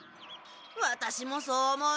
ワタシもそう思う。